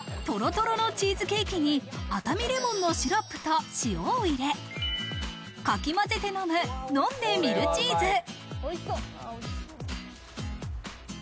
トロトロのチーズケーキに、熱海レモンのシロップと塩を入れ、かきまぜて飲む、飲んでミルチーズ。